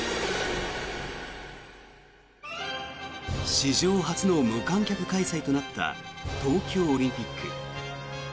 史上初の無観客開催となった東京オリンピック。